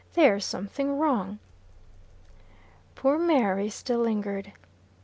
There's some thing wrong." Poor Mary still lingered.